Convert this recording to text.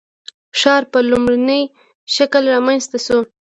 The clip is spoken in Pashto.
ښکار په لومړني شکل رامنځته شو.